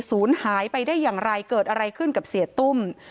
ศูนย์หายไปได้อย่างไรเกิดอะไรขึ้นกับเสียตุ้ม